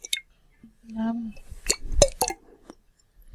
洛格莱姆。